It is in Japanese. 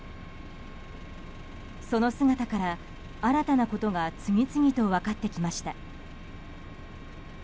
その姿から新たなことが次々と分かってきました。